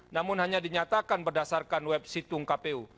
namun hanya dinyatakan berdasarkan web situng kpu